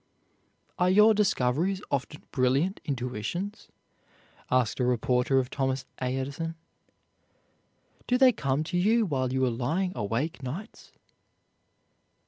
"Are your discoveries often brilliant intuitions?" asked a reporter of Thomas A. Edison. "Do they come to you while you are lying awake nights?"